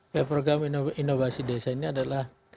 ya program inovasi desa ini adalah